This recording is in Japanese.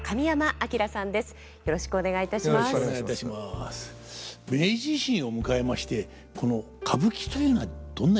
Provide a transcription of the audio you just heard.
明治維新を迎えましてこの歌舞伎というのはどんな状況だったのでしょうか？